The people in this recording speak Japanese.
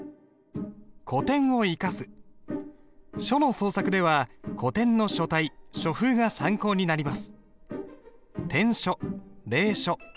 書の創作では古典の書体書風が参考になります。